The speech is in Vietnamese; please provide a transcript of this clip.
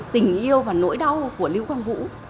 tình yêu và nỗi đau của lưu quang vũ